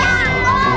gak ada apa apa